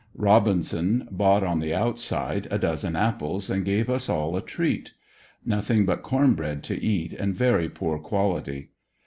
Robinson bought on the outside a dozen apples and gave us all a treat. Nothing but corn bread to eat and very poor quality.